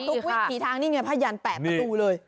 ทุกวิธีทางนี้ไงพระยันตร์แปะประตูเลย